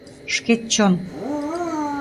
Шкет чон